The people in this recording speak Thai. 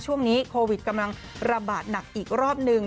ช่วงนี้โควิดกำลังระบาดหนักอีกรอบนึง